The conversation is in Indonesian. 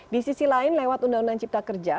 di sisi lain lewat undang undang cipta kerja